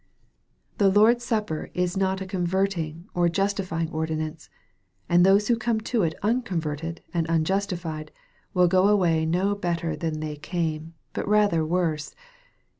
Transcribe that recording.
The Lord's supper is not a converting or justifying ordinance, and those who come to it unconverted and unjustified, will go away no better than they came, but rather worse.